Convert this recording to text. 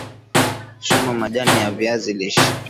chuma majani ya viazi lishe